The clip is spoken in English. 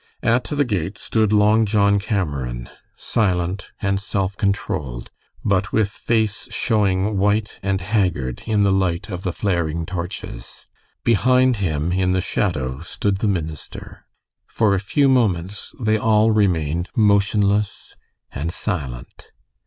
At the gate stood Long John Cameron, silent and self controlled, but with face showing white and haggard in the light of the flaring torches. Behind him, in the shadow, stood the minister. For a few moments they all remained motionless and silent.